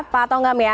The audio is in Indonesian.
pak tongam ya